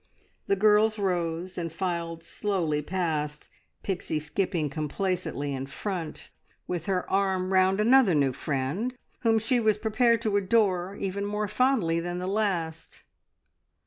The girls rose and filed slowly past, Pixie skipping complacently in front, with her arm round another new friend, whom she was prepared to adore even more fondly than the last.